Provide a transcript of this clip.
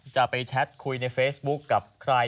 จะไปแชทคุยในเฟซบุ๊คกับใคร